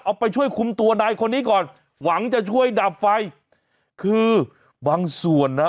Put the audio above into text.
เอาไปช่วยคุมตัวนายคนนี้ก่อนหวังจะช่วยดับไฟคือบางส่วนนะ